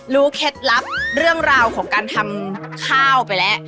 เคล็ดลับเรื่องราวของการทำข้าวไปแล้ว